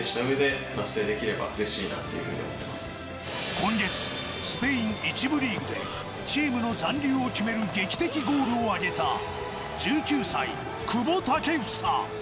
今月、スペイン１部リーグでチームの残留を決める劇的ゴールを挙げた１９歳、久保建英。